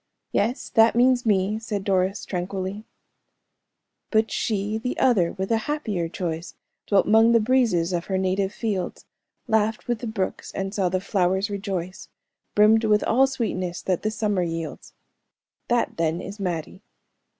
'" "Yes, that means me," said Doris, tranquilly. "'But she, the other, with a happier choice, Dwelt 'mong the breezes of her native fields, Laughed with the brooks, and saw the flowers rejoice; Brimmed with all sweetness that the summer yields.'" "That, then, is Mattie."